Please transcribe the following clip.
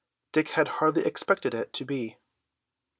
Dick had hardly expected it would be.